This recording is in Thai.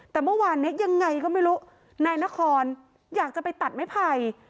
แต่เมื่อวานนี้ยังไงก็ไม่รู้นายนครอยากจะไปตัดไม้ไผ่